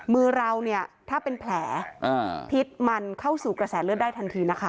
มือเราเนี่ยถ้าเป็นแผลพิษมันเข้าสู่กระแสเลือดได้ทันทีนะคะ